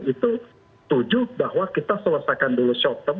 itu tujuh bahwa kita selesaikan dulu short term